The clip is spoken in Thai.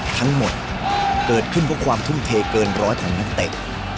ทั้งหมดเกิดขึ้นเพราะความทุ่มเทเกินร้อยของนักเตะ